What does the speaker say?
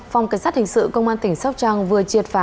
phòng cảnh sát hình sự công an tỉnh sóc trăng vừa triệt phá